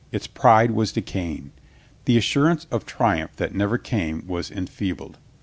Its pride ^ was decaying. The assurance of triumph that never came was enfeebled.